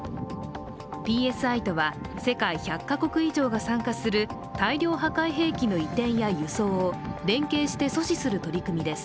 ＰＳＩとは世界１００か国以上が参加する大量破壊兵器の移転や輸送を連携して阻止する取り組みです。